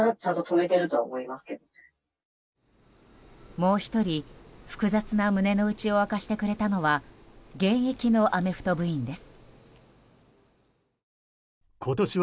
もう１人、複雑な胸の内を明かしてくれたのは現役のアメフト部員です。